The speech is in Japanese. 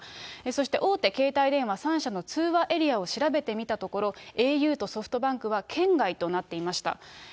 そして大手携帯電話３社の通話エリアを調べてみたところ、ａｕとソフトバンクは圏外となっていました。